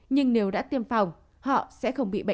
nhưng nếu đã tiêm phòng họ sẽ sẽ bị chống dịch covid một mươi chín